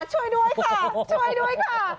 ช่วยด้วยค่ะช่วยด้วยค่ะ